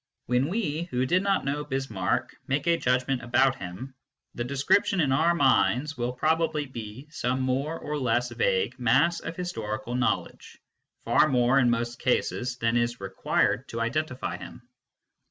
When we, who did not know Bismarck, make a judg ment about him, the description in our minds will probably be some more or less vague mass of historical knowledge far more, in most cases, than is required to identify him.